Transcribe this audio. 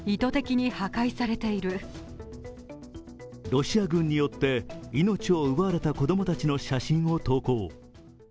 ロシア軍によって命を奪われた子供たちの写真を投稿。